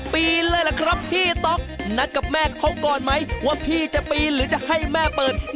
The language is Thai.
ปีนเลยล่ะครับพี่ต๊อกนัดกับแม่เขาก่อนไหมว่าพี่จะปีนหรือจะให้แม่เปิด